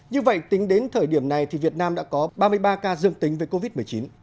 như vậy tính đến thời điểm này việt nam đã có ba mươi ba ca dương tính với covid một mươi chín